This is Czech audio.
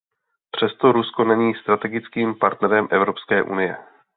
Přesto Rusko není strategickým partnerem Evropské unie.